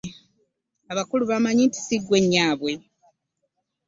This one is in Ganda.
Abakulu bamanyi si ggwe nnyaabwe.